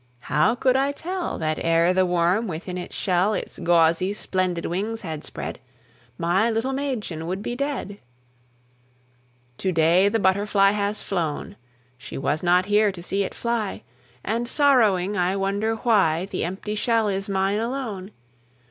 How could I tell That ere the worm within its shell Its gauzy, splendid wings had spread, My little Mädchen would be dead? To day the butterfly has flown, She was not here to see it fly, And sorrowing I wonder why The empty shell is mine alone.